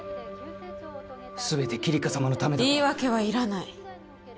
全てキリカ様のためだと言い訳はいらない